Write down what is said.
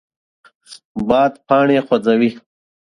باد پاڼې خوځوي